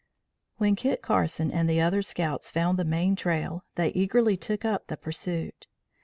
When Kit Carson and the other scouts found the main trail, they eagerly took up the pursuit.